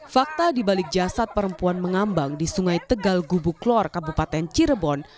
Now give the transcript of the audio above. fakta di balik jasad perempuan mengambang di sungai tegal gubu klor kabupaten cirebon